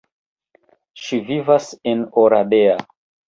Ŝi vivas en Oradea.